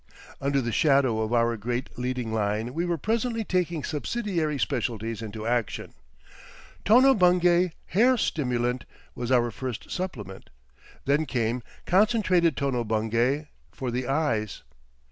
Under the shadow of our great leading line we were presently taking subsidiary specialties into action; "Tono Bungay Hair Stimulant" was our first supplement. Then came "Concentrated Tono Bungay" for the eyes.